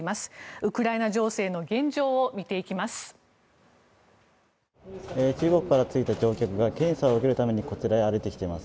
ウクライナ情勢の現状を見ていきます。